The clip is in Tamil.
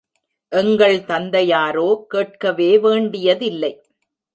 எங்கள் தந்தையாரோ கேட்கவே வேண்டியதில்லை.